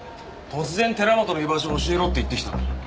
突然寺本の居場所を教えろって言ってきたんだ。